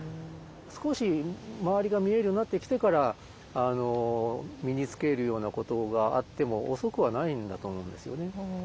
少し周りが見えるようになってきてから身につけるようなことがあっても遅くはないんだと思うんですよね。